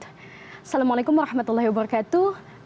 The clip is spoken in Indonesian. assalamualaikum warahmatullahi wabarakatuh